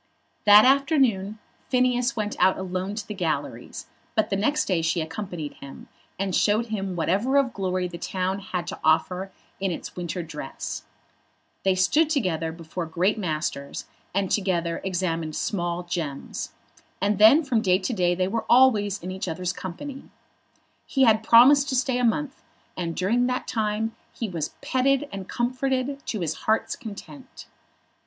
That afternoon Phineas went out alone to the galleries, but the next day she accompanied him, and showed him whatever of glory the town had to offer in its winter dress. They stood together before great masters, and together examined small gems. And then from day to day they were always in each other's company. He had promised to stay a month, and during that time he was petted and comforted to his heart's content.